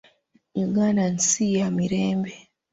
Uganda nsi ya mirembe.